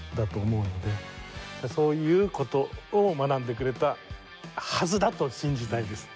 そういう事を学んでくれたはずだと信じたいです。